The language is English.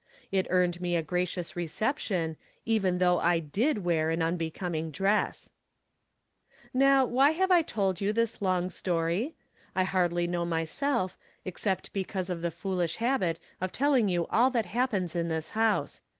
It earned me a gracious reception, even though I did wear an imbecoming dress. 42 From Different Standpoints. Now, why have I told you this long story? I hardly know myself, except because of the fool ish habit of telling you all that happens in this house.